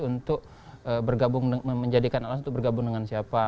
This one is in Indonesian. untuk bergabung menjadikan alasan untuk bergabung dengan siapa